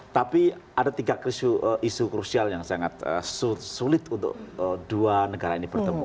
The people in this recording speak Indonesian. tapi ada tiga isu krusial yang sangat sulit untuk dua negara ini bertemu